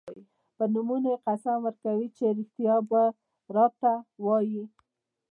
په نومونو یې قسم ورکوي چې رښتیا به راته وايي.